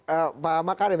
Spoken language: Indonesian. terima kasih pak makarim